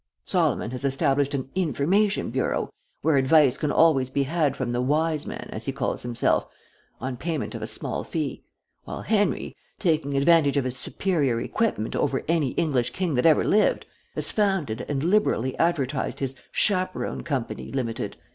Solomon has established an 'Information Bureau,' where advice can always be had from the 'Wise man,' as he calls himself, on payment of a small fee; while Henry, taking advantage of his superior equipment over any English king that ever lived, has founded and liberally advertised his 'Chaperon Company (Limited).'